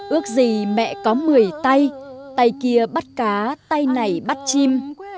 ước gì mẹ có mười tay kia bắt cá tay này bắt chim